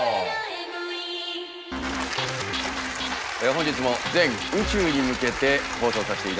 本日も全宇宙に向けて放送させていただきます。